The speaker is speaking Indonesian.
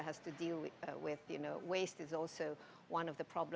bahan baru juga adalah salah satu masalah yang kami hadapi